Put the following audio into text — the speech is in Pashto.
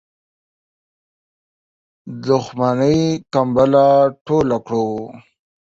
دښمنی کمبله ټوله کړو.